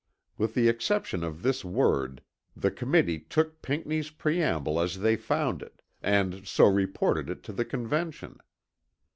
With the exception of this word the Committee took Pinckney's preamble as they found it, and so reported it to the Convention.